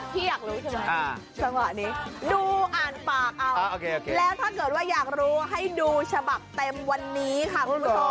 อยากรู้ใช่ไหมจังหวะนี้ดูอ่านปากเอาแล้วถ้าเกิดว่าอยากรู้ให้ดูฉบับเต็มวันนี้ค่ะคุณผู้ชม